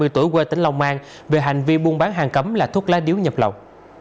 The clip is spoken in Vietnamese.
hai mươi tuổi quê tỉnh lòng an về hành vi buôn bán hàng cấm là thuốc lá điếu nhập lộng